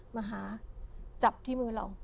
มาหาจับที่มือเรา